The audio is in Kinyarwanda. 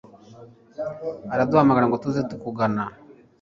uraduhamagara ngo tuze tukugana